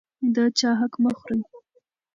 د چا حق مه خورئ.